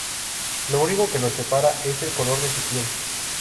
Lo único que los separa es el color de su piel.